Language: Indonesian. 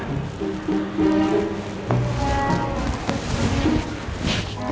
tapi mungkin bapak gak denger